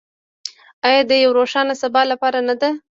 آیا د یو روښانه سبا لپاره نه ده؟